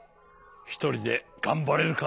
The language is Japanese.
ひとりでがんばれるか？